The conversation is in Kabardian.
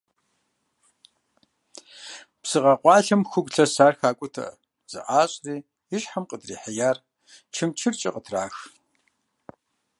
Псы къэкъуалъэм хугу лъэсар хакIутэ, зэIащIэри и щхьэм къыдрихьеяр чымчыркIэ къытрах.